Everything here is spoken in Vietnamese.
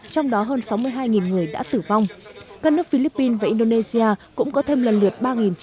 trong đó hơn sáu mươi hai người đã tử vong các nước philippines và indonesia cũng có thêm lần lượt